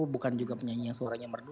bukan juga penyanyi yang suaranya merdu